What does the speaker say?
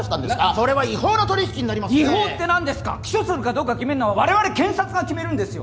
それは違法な取り引きになりますね「違法」って何ですか起訴するかどうか決めるのは我々検察が決めるんですよ